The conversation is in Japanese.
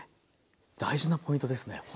大事なポイントですねこれ。